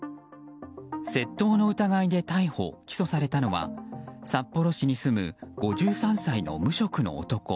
窃盗の疑いで逮捕・起訴されたのは札幌市に住む５３歳の無職の男。